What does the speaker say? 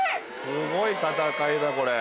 すごい戦いだこれ。